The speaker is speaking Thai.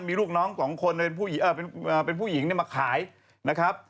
มีลูกน้องสองคนเป็นผู้หญิงมาขายนะครับ